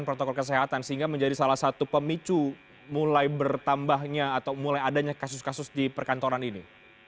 dan protokol kesehatan sehingga menjadi salah satu pemicu mulai bertambahnya atau mulai adanya kasus kasus di perkantoran ini